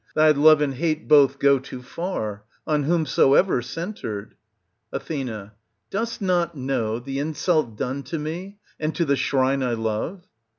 Thy love and hate both go too far, on whomsoever centred. Ath. Dost not know the insult done to me and to the shrine I love